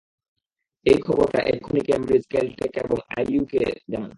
এই খবরটা এক্ষুনি ক্যামব্রিজ, ক্যালটেক এবং আইএইউকে জানান।